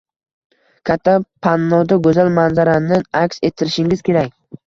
katta pannoda go‘zal manzarani aks ettirishingiz kerak.